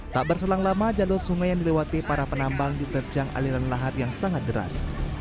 tak berselang lama jalur sungai yang dilewati para penambang diterjang aliran lahar yang sangat deras